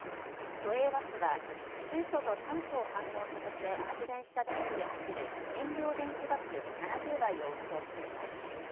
都営バスは水素と酸素を反応させて発電した電気で走る燃料電池バス７０台を運行しています。